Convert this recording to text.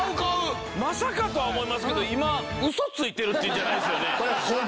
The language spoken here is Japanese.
まさかとは思いますけど今ウソついてるっていうんじゃないですよね？